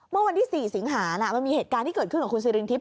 เมื่อวันที่๔สิงหามันมีเหตุการณ์ที่เกิดขึ้นกับคุณสิรินทิพ